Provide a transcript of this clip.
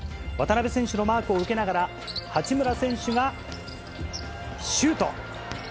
渡邊選手のマークを受けながら、八村選手がシュート。